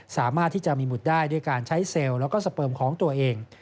สามารถที่จะมีหุดได้ด้วยการใช้เซลล์แล้วก็สเปิมของตัวเอง